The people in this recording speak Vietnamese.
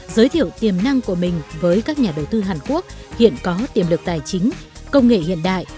giới thiệu tiềm năng của mình với các nhà đầu tư hàn quốc hiện có tiềm lực tài chính công nghệ hiện đại